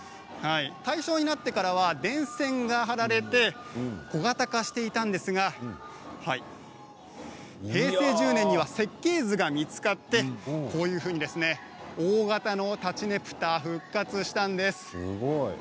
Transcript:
大正になってからは電線が張られて小型化していたんですが平成１０年には設計図が見つかって大型のたちねぷた復活したんです。